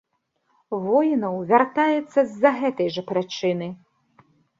Воінаў вяртаецца з-за гэтай жа прычыны.